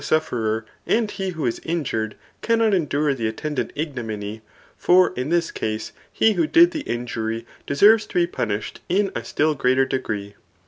sufferer and he trhb is injured, cannot endure the atten dant ignominy ; for in this case he who did the injury deserves to be punished in a still greater degree.